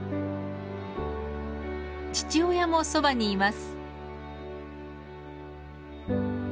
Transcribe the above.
父親もそばにいます。